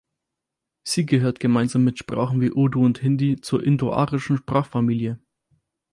Sie gehört gemeinsam mit Sprachen wie Urdu und Hindi zur indoarischen Sprachfamilie.